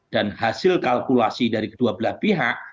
dan hasil kalkulasi dari kedua belah pihak